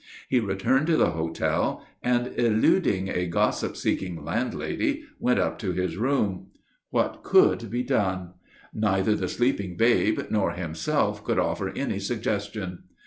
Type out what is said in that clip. He returned to the hotel, and, eluding a gossip seeking landlady, went up to his room. What could be done? Neither the sleeping babe nor himself could offer any suggestion.